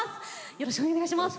よろしくお願いします。